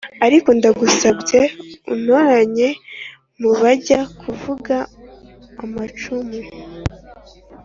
ariko ndagusabye untoranye mubajya kuvuga amacumu"